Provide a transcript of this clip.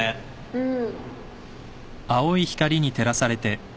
うん。